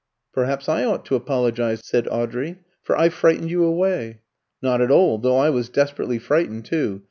"Perhaps I ought to apologise," said Audrey, "for I frightened you away." "Not at all, though I was desperately frightened too.